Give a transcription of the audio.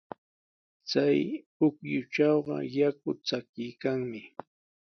Chay pukyutrawqa yaku chakiykanmi.